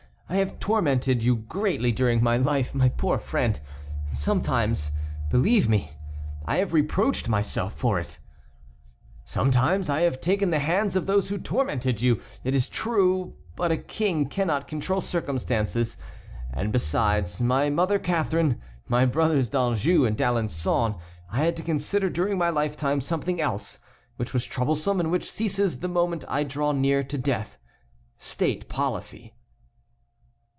I have tormented you greatly during my life, my poor friend, and sometimes, believe me, I have reproached myself for it. Sometimes I have taken the hands of those who tormented you, it is true, but a king cannot control circumstances, and besides my mother Catharine, my brothers D'Anjou and D'Alençon, I had to consider during my lifetime something else which was troublesome and which ceases the moment I draw near to death—state policy."